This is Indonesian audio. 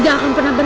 aku akan menganggap